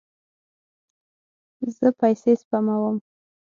زه پیسې سپموم